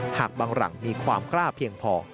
หากบางหลังมีความกล้าเพียงพอ